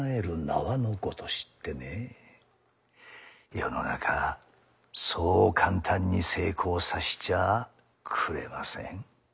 世の中そう簡単に成功さしちゃあくれません。